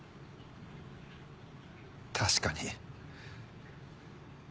確かに。